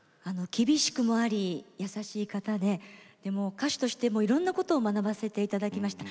厳しくもあり優しい方で歌手としていろんなことを学ばせていただきました。